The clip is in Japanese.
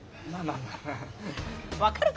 分かるか？